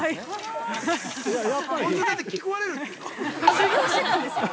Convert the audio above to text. ◆修業してたんですか。